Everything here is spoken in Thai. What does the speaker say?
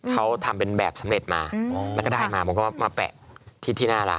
เขาทำเป็นแบบสำเร็จมาแล้วก็ได้มาผมก็มาแปะที่หน้าร้าน